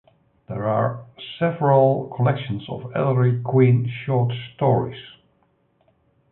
There are also several collections of Ellery Queen short stories.